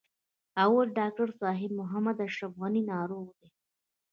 اول: ډاکټر صاحب محمد اشرف غني ناروغ دی.